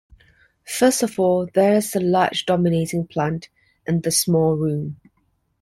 First of all, there is the large dominating plant and the small room.